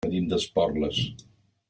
Venim d'Esporles.